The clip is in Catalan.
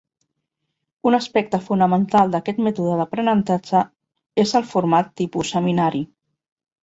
Un aspecte fonamental d'aquest mètode d'aprenentatge és el format tipus seminari.